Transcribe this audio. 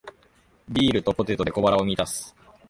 ビールとポテトで小腹を満たす